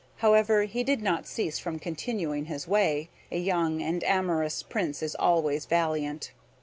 However, he did not cease from continuing his way; a young and amorous prince is always valiant.